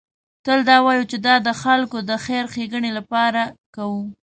تل دا وایو چې دا د خلکو د خیر ښېګڼې لپاره کوو.